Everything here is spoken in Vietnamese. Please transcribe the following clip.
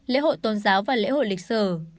lễ hội tôn giáo và lễ hội lịch sử